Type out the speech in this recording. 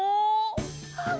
あっ！